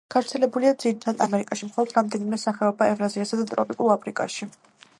გავრცელებულია ძირითადად ამერიკაში, მხოლოდ რამდენიმე სახეობაა ევრაზიასა და ტროპიკულ აფრიკაში.